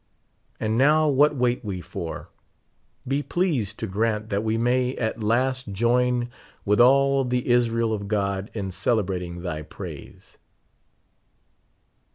And now what wait we for? Be pleased to grant that we may at last join with all the Israel of God in celebrating thy praise.